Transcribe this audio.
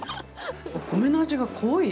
お米の味が濃い！